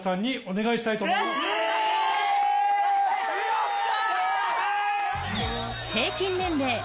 やった！